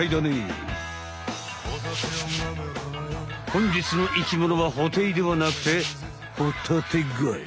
ほんじつの生きものはホテイではなくてホタテガイ